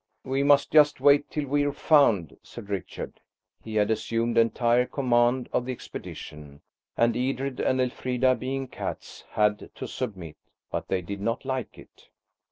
"We must just wait till we're found," said Richard. He had assumed entire command of the expedition, and Edred and Elfrida, being cats, had to submit, but they did not like it.